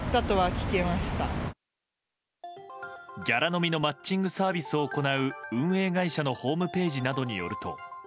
ギャラ飲みのマッチングサービスを行う運営会社のホームページなどによると